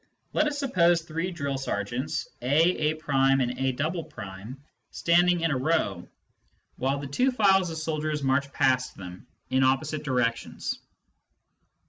Let us suppose three C C C" C a C" drill sergeants, A, A', and A", standing in a row, while the two files of soldiers march past them in opposite directions.